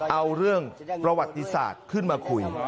เอาเรื่องประวัติศาสตร์ขึ้นมาคุย